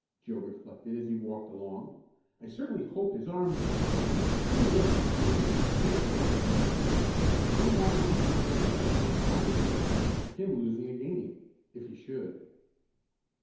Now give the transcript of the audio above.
Joe reflected as he walked along. "I certainly hope his arm isn't lame, even if it was as much his fault as mine. I don't want him to tell the fellows I'm to blame for him losing a game if he should."